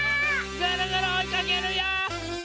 ぐるぐるおいかけるよ！